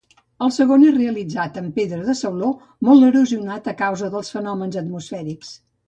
El segon és realitzat en pedra de sauló, molt erosionat a causa dels fenòmens atmosfèrics.